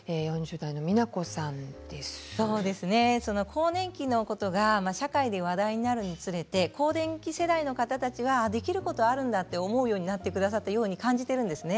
更年期のことが社会で話題になるにつれて更年期世代の方たちはできることがあるんだと思うようになってきたと感じているんですね。